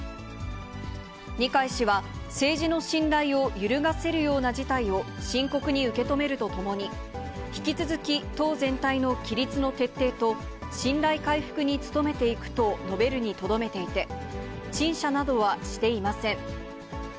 二階氏は、政治の信頼を揺るがせるような事態を深刻に受け止めるとともに、引き続き党全体の規律の徹底と、信頼回復に努めていくと述べるにとどめていて、陳謝などはしていません。